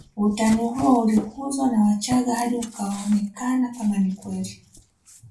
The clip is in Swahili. Utani huo ulikuzwa na wachaga hadi ukaonekana kama ni kweli